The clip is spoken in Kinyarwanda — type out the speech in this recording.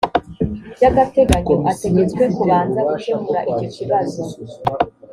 byagateganyo ategetswe kubanza gukemura icyo kibazo